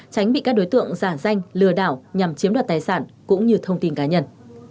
tránh bị các đối tượng giả danh lừa đảo nhằm chiếm đoạt tài sản cũng như thông tin cá nhân